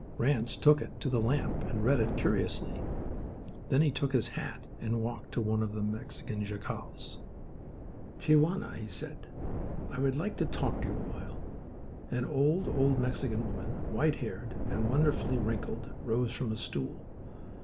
Ranse took it to the lamp and read it curiously. Then he took his hat and walked to one of the Mexican jacals. "Tia Juana," he said, "I would like to talk with you a while." An old, old Mexican woman, white haired and wonderfully wrinkled, rose from a stool.